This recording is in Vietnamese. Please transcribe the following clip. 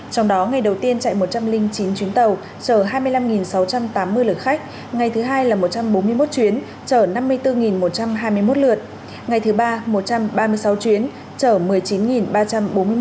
trong đó ngày đầu tiên chạy một trăm linh chín chuyến tàu chở hai mươi năm sáu trăm tám mươi lượt khách ngày thứ hai là một trăm bốn mươi một chuyến chở năm mươi bốn một trăm hai mươi một lượt ngày thứ ba một trăm ba mươi sáu chuyến chở một mươi chín ba trăm bốn mươi người